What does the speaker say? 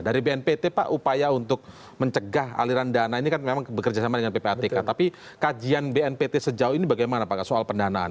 dari bnpt pak upaya untuk mencegah aliran dana ini kan memang bekerja sama dengan ppatk tapi kajian bnpt sejauh ini bagaimana pak soal pendanaan